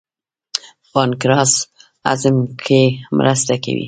پانکریاس هضم کې مرسته کوي.